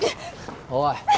おい！